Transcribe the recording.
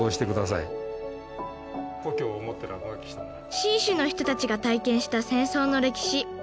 信州の人たちが体験した戦争の歴史。